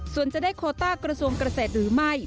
ส่วนจะได้โคต้ากระทรวงเกษตรหรือไม่